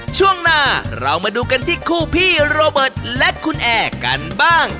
ช่วงหน้าเรามาดูกันที่คู่พี่โรเบิร์ตและคุณแอร์กันบ้าง